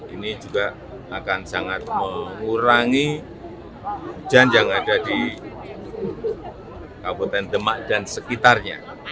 ini juga akan sangat mengurangi hujan yang ada di kabupaten demak dan sekitarnya